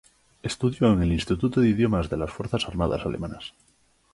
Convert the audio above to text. Estudió en el Instituto de Idiomas de las Fuerzas Armadas Alemanas.